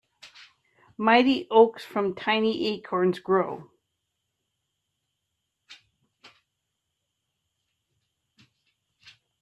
Mighty oaks from tiny acorns grow.